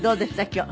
今日。